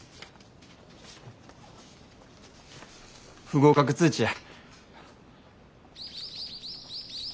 不合格通知や。